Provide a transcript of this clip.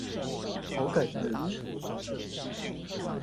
好感人